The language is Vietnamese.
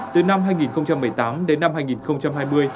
từ năm hai nghìn một mươi tám đến năm hai nghìn hai mươi